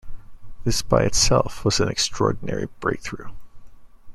This by itself was an extraordinary breakthrough.